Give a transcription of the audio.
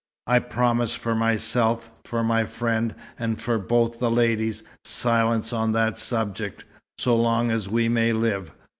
"I promise for myself, for my friend, and for both the ladies, silence on that subject, so long as we may live.